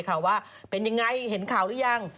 เขาว่าเห็นข่าวหรือยัง